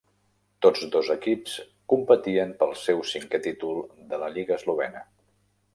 Tots dos equips competien pel seu cinquè títol de la lliga eslovena.